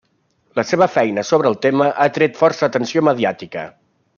La seva feina sobre el tema ha atret força atenció mediàtica.